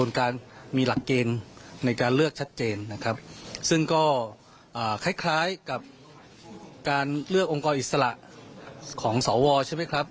นั่นสิครับฟังเสียงคุณชัยธวัฒน์นะครับ